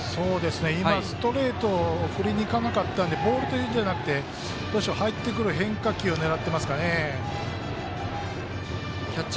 今、ストレートを振りにいかなかったんでボールというんじゃなくて入ってくる変化球を狙ってますかね。